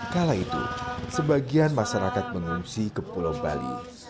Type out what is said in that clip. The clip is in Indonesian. kala itu sebagian masyarakat mengungsi ke pulau bali